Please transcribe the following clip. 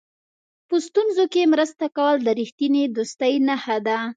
په ستونزو کې مرسته کول د رښتینې دوستۍ نښه ده.